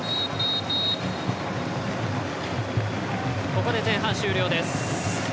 ここで前半終了です。